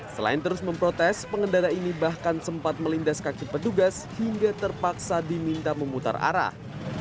selain terus memprotes pengendara ini bahkan sempat melindas kaki petugas hingga terpaksa diminta memutar arah